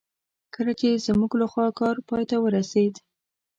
کله چې زموږ لخوا کار پای ته ورسېد.